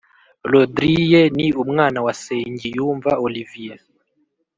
Rodriye ni umwana wasengiyumva Olivier